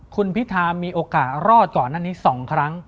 คุณพิธามีโอกาสรอดก่อนหน้านี้๒ครั้ง